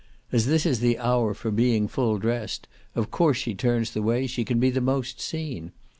As this is the hour for being full dressed, of course she turns the way she can be most seen.